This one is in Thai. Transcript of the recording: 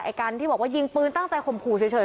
การที่บอกว่ายิงปืนตั้งใจข่มขู่เฉย